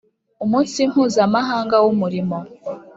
Umunsi Mpuzamahanga w Umurimo